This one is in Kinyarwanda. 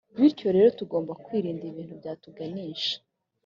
bityo rero tugomba kwirinda ibintu byatuganisha